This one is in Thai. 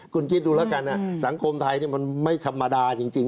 คุณคิดดูแล้วกันสังคมไทยมันไม่ธรรมดาจริง